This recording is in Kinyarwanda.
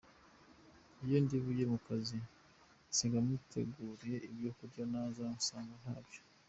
Iyo ndi bujye mu kazi nsiga muteguriye ibyo kurya naza ngasanga ntabyo.